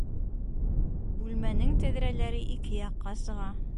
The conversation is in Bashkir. Бүлмәнең тәҙрәләре ике яҡҡа сыға